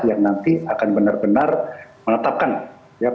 yang nanti akan benar benar menetapkan ya